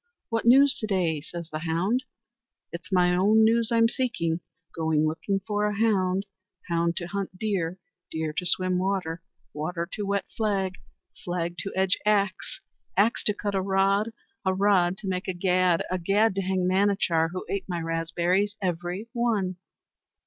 "What news to day?" says the hound. "It's my own news I'm seeking. Going looking for a hound, hound to hunt deer, deer to swim water, water to wet flag, flag to edge axe, axe to cut a rod, a rod to make a gad, a gad to hang Manachar, who ate my raspberries every one."